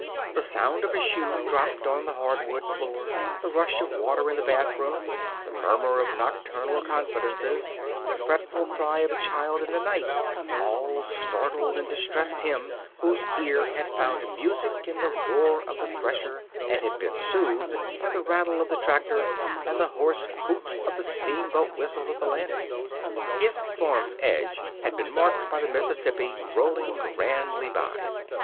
The sound of a shoe dropped on the hardwood floor, the rush of water in the bathroom, the murmur of nocturnal confidences, the fretful cry of a child in the night, all startled and distressed him whose ear had found music in the roar of the thresher and had been soothed by the rattle of the tractor and the hoarse hoot of the steamboat whistle at the landing. His farm's edge had been marked by the Mississippi rolling grandly by.